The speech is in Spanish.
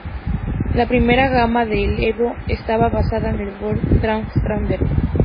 La primera gama de Ebro estaba basada en el Ford Thames Trader.